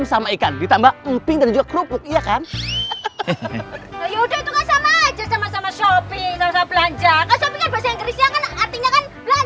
sama sama shopping belanja belanja